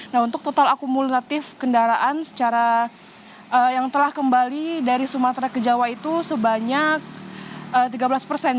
nah untuk total akumulatif kendaraan secara yang telah kembali dari sumatera ke jawa itu sebanyak tiga belas persen